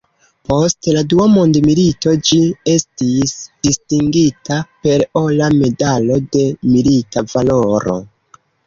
Post la Dua mondmilito ĝi estis distingita per ora medalo de "milita valoro".